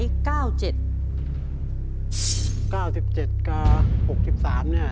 ตัวเลือกที่๔สาย๙๗